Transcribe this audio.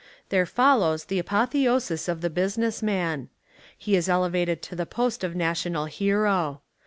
There follows the apotheosis of the business man. He is elevated to the post of national hero.